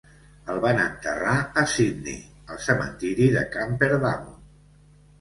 El van enterrar a Sydney, al cementiri de Camperdown.